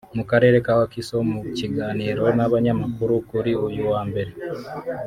mu karere ka Wakiso mu kiganiro n’abanyamakuru kuri uyu wa Mbere